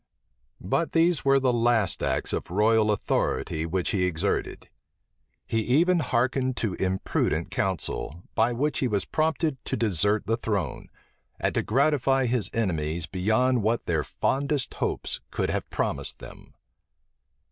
But these were the last acts of royal authority which he exerted. He even hearkened to imprudent counsel, by which he was prompted to desert the throne, and to gratify his enemies beyond what their fondest hopes could have promised them.